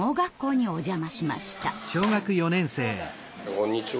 こんにちは。